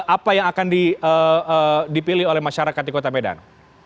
apa yang akan dipilih oleh masyarakat di kota medan